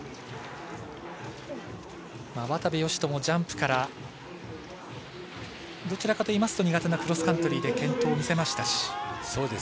渡部善斗もジャンプからどちらかというと苦手なクロスカントリーで健闘を見せましたし。